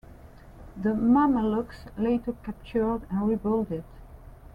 The Mameluks later captured and rebuilt it.